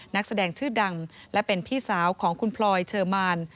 นักแสดงชื่อดังและเป็นพี่สาวของคุณพลอยเชอร์มาน